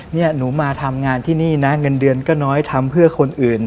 นี่หนูมาทำงานที่นี่นะเงินเดือนก็น้อยทำเพื่อคนอื่น